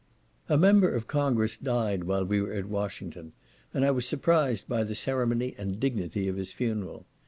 A member of Congress died while we were at Washington, and I was surprised by the ceremony and dignity of his funeral.